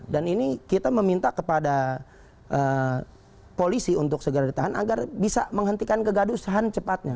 dan ini kita meminta kepada polisi untuk segera ditahan agar bisa menghentikan kegadusan cepatnya